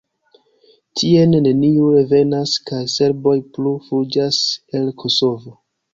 Tien neniu revenas, kaj serboj plu fuĝas el Kosovo.